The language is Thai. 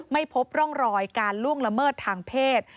ไม่พบร่องรอยการล่วงละเมิดทางเพศ